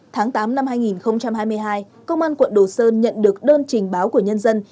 tháng tám năm hai nghìn hai mươi hai công an quận đồ sơn nhận được đơn trình báo của nhân dân